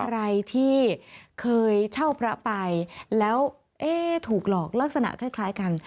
อะไรที่เคยเช่าพระไปแล้วถูกหลอกลักษณะคล้ายกัน